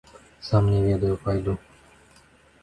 Сам не ведаю, пайду.